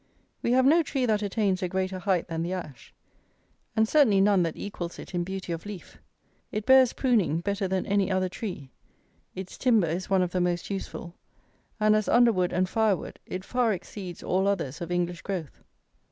We have no tree that attains a greater height than the ash; and certainly none that equals it in beauty of leaf. It bears pruning better than any other tree. Its timber is one of the most useful; and as underwood and fire wood it far exceeds all others of English growth.